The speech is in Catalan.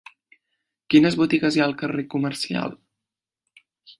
Quines botigues hi ha al carrer Comercial?